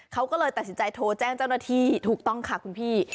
เขาก็เลยตัดสินใจโทรแจ้งเจ้าหน้าที่ถูกต้องค่ะคุณพี่